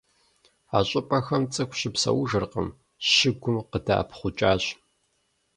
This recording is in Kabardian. А щӏыпӏэхэм цӏыху щыпсэужыркъым, щыгум къыдэӏэпхъукӏащ.